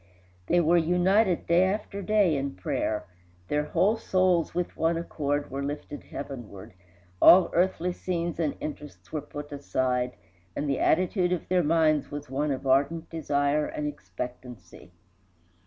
They were united day after day in prayer their whole souls, with one accord, were lifted heavenward; all earthly scenes and interests were put aside, and the attitude of their minds was one of ardent desire and expectancy.